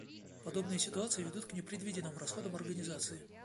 Подобные ситуации ведут к непредвиденным расходам организации